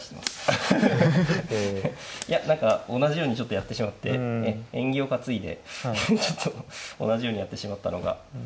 いや何か同じようにちょっとやってしまって縁起を担いでちょっと同じようにやってしまったのが。